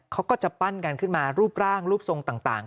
เขาก็จะปั้นกันขึ้นมารูปร่างรูปทรงต่าง